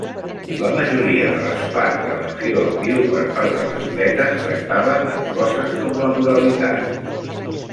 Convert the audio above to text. La majoria de les parts amb acció en viu per part dels atletes tractaven amb coses com la moralitat.